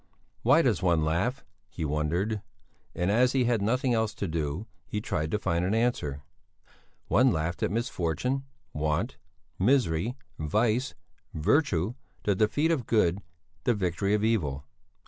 Why does one laugh? he wondered. And as he had nothing else to do, he tried to find an answer. One laughed at misfortune, want, misery, vice, virtue, the defeat of good, the victory of evil.